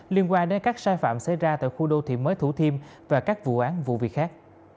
liên quan đến các sai phạm xảy ra tại khu đô thị mới thủ thiêm và các vụ án vụ việc khác